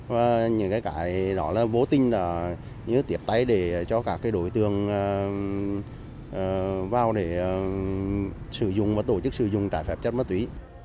và những cái đó là vô tình như tiếp tay để cho các đối tượng vào để sử dụng và tổ chức sử dụng trái phép chất ma túy